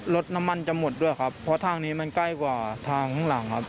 รถน้ำมันจะหมดด้วยครับเพราะทางนี้มันใกล้กว่าทางข้างหลังครับ